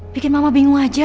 bikin mama bingung aja